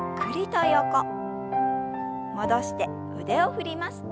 戻して腕を振ります。